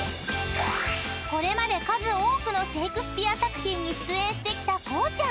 ［これまで数多くのシェイクスピア作品に出演してきたこうちゃん］